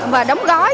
và đóng gói